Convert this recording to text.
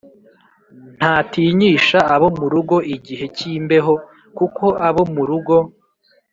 Ntatinyisha abo mu rugo igihe cy’imbeho, kuko abo mu rugo